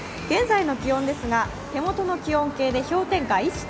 現在の気温ですが、手元の気温計で氷点下